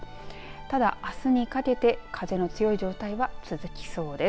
ただ、あすにかけて風の強い状態は続きそうです。